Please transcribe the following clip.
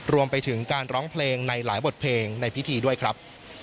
รวมไปถึงการร้องเพลงในหลายบทเพลงในพิธีด้วยครับ